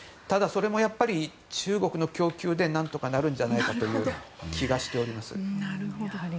ただ、それもやっぱり中国の供給で何とかなるんじゃないかという気がしています。